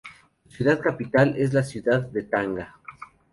Su ciudad capital es la ciudad de Tanga.